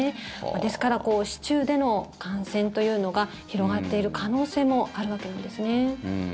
ですから市中での感染というのが広がっている可能性もあるわけなんですね。